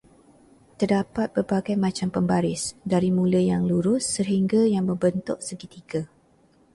Terdapat berbagai macam pembaris, dari mulai yang lurus sehingga yang berbentuk segitiga.